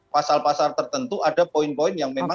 pasal pasal tertentu ada poin poin yang memang